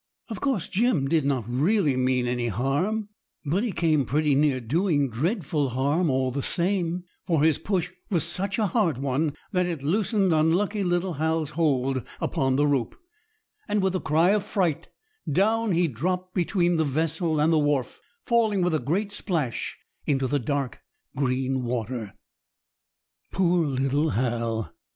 Of course, Jim did not really mean any harm, but he came pretty near doing dreadful harm all the same; for his push was such a hard one that it loosened unlucky little Hal's hold upon the rope, and with a cry of fright down he dropped between the vessel and the wharf, falling with a great splash into the dark green water. Poor little Hal!